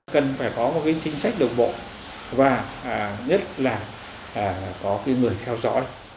cần phải có một cái chính sách đồng bộ và nhất là có cái người theo dõi